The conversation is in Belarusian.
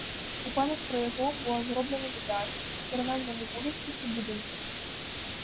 У памяць пра яго была зроблены медаль, пераназваны вуліцы і будынкі.